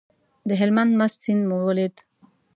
د هلمند مست سیند مو ولید.